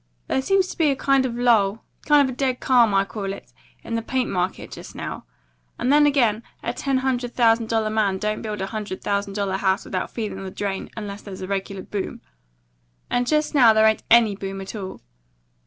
There seems to be a kind of a lull kind of a dead calm, I call it in the paint market just now; and then again a ten hundred thousand dollar man don't build a hundred thousand dollar house without feeling the drain, unless there's a regular boom. And just now there ain't any boom at all.